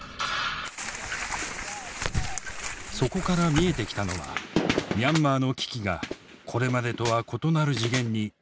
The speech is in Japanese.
そこから見えてきたのはミャンマーの危機がこれまでとは異なる次元に突入している実態だった。